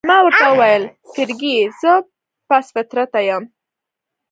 ما ورته وویل: فرګي، زه پست فطرته یم؟